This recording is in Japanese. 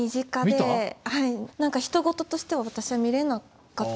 何かひと事としては私は見れなかった。